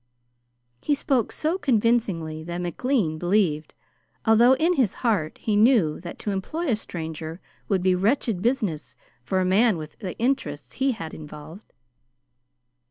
He spoke so convincingly that McLean believed, although in his heart he knew that to employ a stranger would be wretched business for a man with the interests he had involved.